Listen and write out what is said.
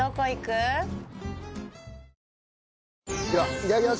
いただきます。